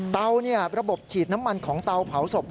ระบบฉีดน้ำมันของเตาเผาศพ